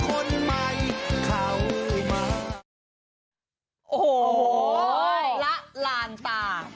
โอ้โหละลานตา